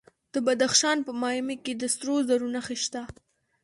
د بدخشان په مایمي کې د سرو زرو نښې شته.